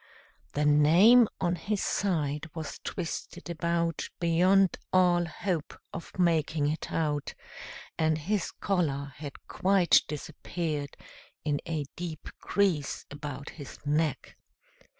The name on his side was twisted about beyond all hope of making it out, and his collar had quite disappeared in a deep crease about his neck.